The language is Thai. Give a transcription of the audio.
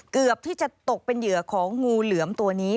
เกือบที่จะตกเป็นเหยื่อของงูเหลือมตัวนี้